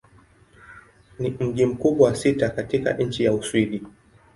Ni mji mkubwa wa sita katika nchi wa Uswidi.